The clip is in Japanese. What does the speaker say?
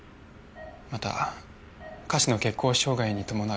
また下肢の血行障害に伴う